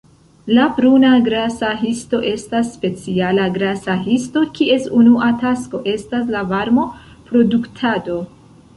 La bruna grasa histo estas speciala grasa histo, kies unua tasko estas la varmo-produktado.